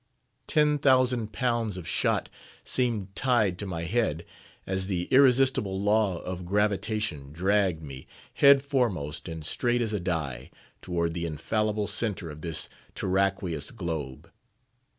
Ten thousand pounds of shot seemed tied to my head, as the irresistible law of gravitation dragged me, head foremost and straight as a die, toward the infallible centre of this terraqueous globe.